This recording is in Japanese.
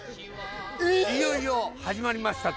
「いよいよ始まりました」と。